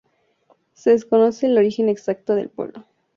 Se desconoce el origen exacto del pueblo.